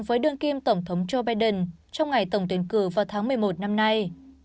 với đương kim tổng thống joe biden trong ngày tổng tuyển cử vào tháng một mươi một năm nay